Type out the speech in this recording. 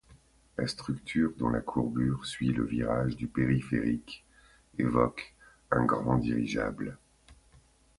La structure, dont la courbure suit le virage du périphérique, évoque un grand dirigeable.